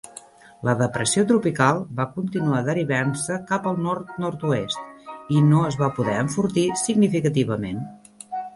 La depressió tropical va continuar derivant-se cap al nord-nord-est, i no es va poder enfortir significativament.